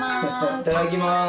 いただきます。